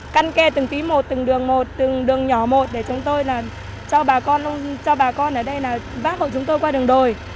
căn kê từng tí một từng đường một từng đường nhỏ một để chúng tôi là cho bà con ở đây là vác hộ chúng tôi qua đường đồi